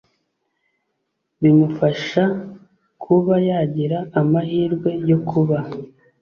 bimufasha kuba yagira amahirwe yo kuba